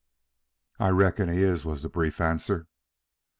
"I reckon he is," was the brief answer.